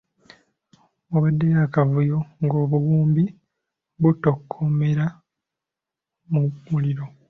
Waabaddewo akavuyo ng'obuwumbi butokomokera mu muliro.